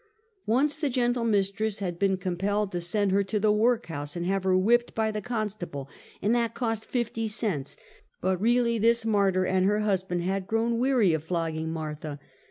" Once, the gentle mistress had been compelled to send her to the workhouse and have her whipped by the constable; and that cost fifty cents; but really, this martyr and her husband had grown weary of flogging Martha.